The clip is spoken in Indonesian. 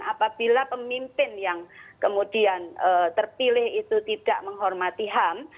apabila pemimpin yang kemudian terpilih itu tidak menghormati ham